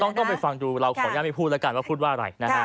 ต้องไปฟังดูเราขออนุญาตไม่พูดแล้วกันว่าพูดว่าอะไรนะฮะ